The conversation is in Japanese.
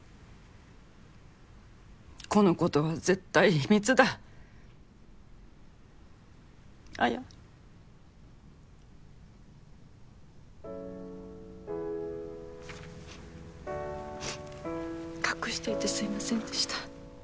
「このことは絶対秘密だ」「綾」隠していてすいませんでした